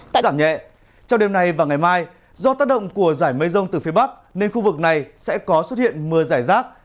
trong đêm nay và ngày mai do tác động của giải mây rông từ phía bắc nên khu vực này sẽ có xuất hiện mưa giải rác